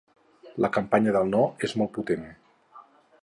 La campanya del no és molt potent.